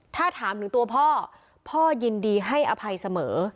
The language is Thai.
ถ้าถามถึงตัวพ่อพ่อยินดีให้อภัยเสมอ